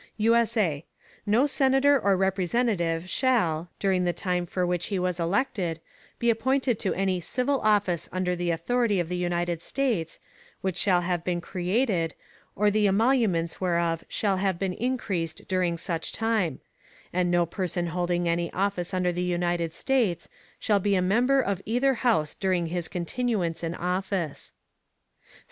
[USA] No Senator or Representative shall, during the time for which he was elected, be appointed to any civil Office under the Authority of the United States, which shall have been created, or the Emoluments whereof shall have been increased during such time; and no Person holding any Office under the United States, shall be a Member of either House during his Continuance in Office.